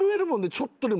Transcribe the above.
ちょっとでも。